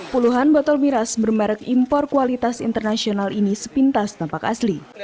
puluhan botol miras bermerek impor kualitas internasional ini sepintas tampak asli